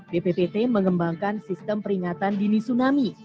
bppt mengembangkan sistem peringatan dini tsunami